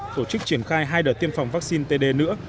tổ chức triển khai hai đợt tiêm phòng vaccine td nữa